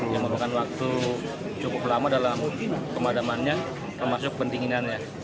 yang memakan waktu cukup lama dalam pemadamannya termasuk pendinginannya